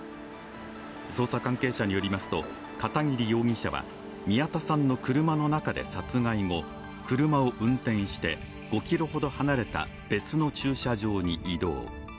捜査関係者によりますと、片桐容疑者は宮田さんの車の中で殺害後車を運転して５ｋｍほど離れた別の駐車場に移動。